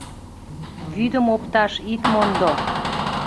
Вӱдым опташ ит мондо.